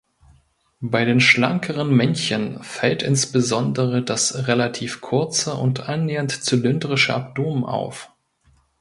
Bei den schlankeren Männchen fällt insbesondere das relativ kurze und annähernd zylindrische Abdomen auf.